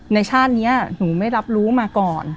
ชาตินี้หนูไม่รับรู้มาก่อน